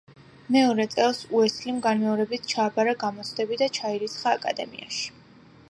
მეორე წელს უესლიმ განმეორებით ჩააბარა გამოცდები და ჩაირიცხა აკადემიაში.